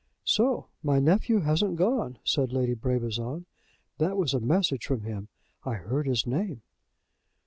"So my nephew hasn't gone," said Lady Brabazon. "That was a message from him. I heard his name."